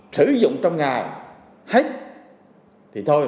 sử dụng trong ngày hết thì thôi